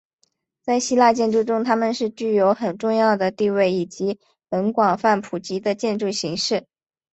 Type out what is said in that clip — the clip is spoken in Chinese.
在希腊建筑中他们是具有很重要的地位以及很广泛普及的建筑形式。